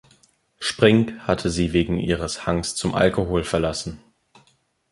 Spink hatte sie wegen ihres Hangs zum Alkohol verlassen.